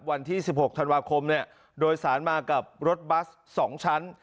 วันที่๑๖ธันวาคมโดยสารมากับรถบัส๒ชั้น